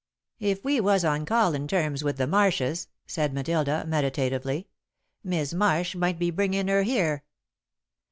"If we was on callin' terms with the Marshs," said Matilda, meditatively, "Mis' Marsh might be bringin' her here."